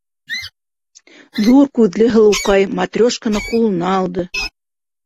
- Ҙур күҙле һылыуҡай матрешканы ҡулына алды.